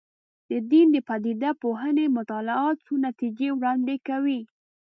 د دین د پدیده پوهنې مطالعات څو نتیجې وړاندې کوي.